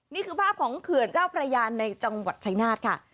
นี่คือภาพของเขื่อนเจ้าพระยานในจังหวัดชายนาฏค่ะ